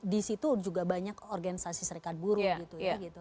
di situ juga banyak organisasi serikat buruh gitu ya